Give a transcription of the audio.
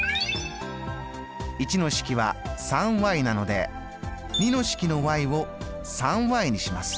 １の式は３なので２の式のを３にします。